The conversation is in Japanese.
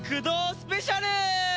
スペシャル！